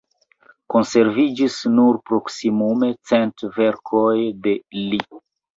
Konserviĝis nur proksimume cent verkoj de li.